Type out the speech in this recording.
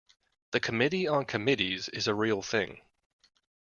The Committee on Committees is a real thing.